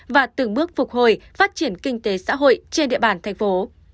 và từng bước phục hồi phát triển kinh tế xã hội trên địa bàn thành phố